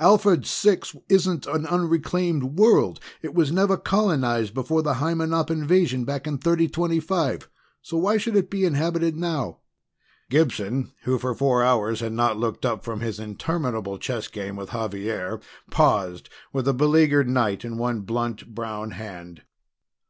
Alphard Six isn't an unreclaimed world it was never colonized before the Hymenop invasion back in 3025, so why should it be inhabited now?" Gibson, who for four hours had not looked up from his interminable chess game with Xavier, paused with a beleaguered knight in one blunt brown hand.